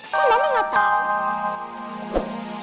kok mama gak tau